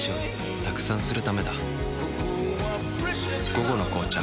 「午後の紅茶」